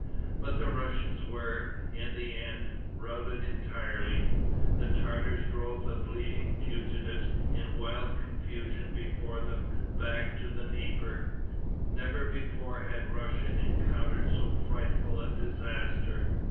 But the Russians were, in the end, routed entirely. The Tartars drove the bleeding fugitives in wild confusion before them back to the Dnieper. Never before had Russia encountered so frightful a disaster.